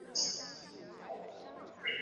中国金乡门户网站